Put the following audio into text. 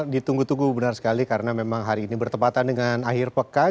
ditunggu tunggu benar sekali karena memang hari ini bertepatan dengan akhir pekan